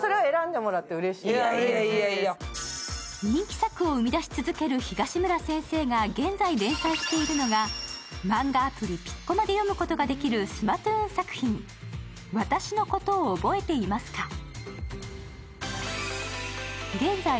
人気作を生み出し続ける東村先生が現在連載しているのがマンガアプリ・ピッコマで読むことができるスマトゥーン作品、「私のことを憶えていますか」。